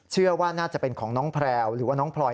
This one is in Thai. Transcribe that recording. เชื่อว่าน่าจะเป็นของน้องแพรวหรือว่าน้องพลอย